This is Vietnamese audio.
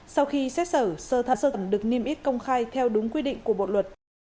sau khi xét xử sơ thẩm được niêm ích công khai theo đúng quy định của bộ luật